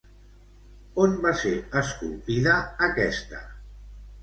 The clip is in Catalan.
On va ser esculpida, aquesta?